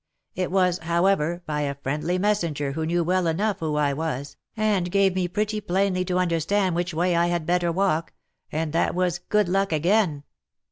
It was, however, by a friendly messenger who knew well enough who I was, and gave me pretty plainly to understand which way I had better walk — and that was good luck again.